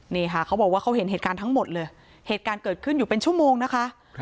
นี่ค่ะเขาบอกว่าเขาเห็นเหตุการณ์ทั้งหมดเลยเหตุการณ์เกิดขึ้นอยู่เป็นชั่วโมงนะคะ